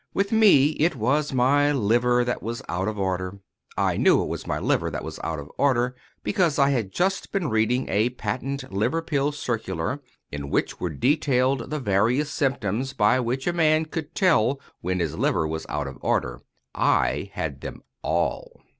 With me, it was my liver that was out of order. I knew it was my liver that was out of order, because I had just been reading a patent liver pill circular, in which were detailed the various symptoms by which a man could tell when his liver was out of order. I had them all.